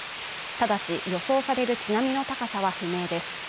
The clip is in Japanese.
ただし予想される津波の高さは不明です。